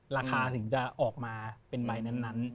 ราคาถึงจะออกมาเป็นใบนั้น